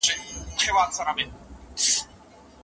په ځان وهلو باندې ډېر ستړی شو، شعر ليکي